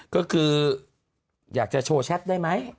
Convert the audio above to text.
ก็คืออยากจะโชว์แชทได้ไหม